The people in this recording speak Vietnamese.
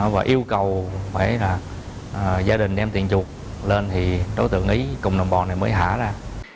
và yêu cầu phải là gia đình đem tiền chuột lên thì đối tượng ý cùng đồng bọn này mới thả ra